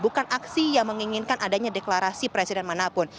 bukan aksi yang menginginkan adanya deklarasi presiden manapun